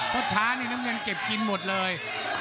เพราะช้านี่น้ำเงินเก็บกินหมดเลย